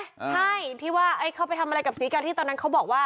ใช่ที่ว่าเขาไปทำอะไรกับศรีกาที่ตอนนั้นเขาบอกว่า